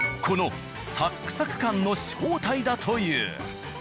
このサックサク感の正体だという。